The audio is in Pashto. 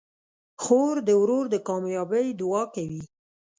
خور د ورور د کامیابۍ دعا کوي.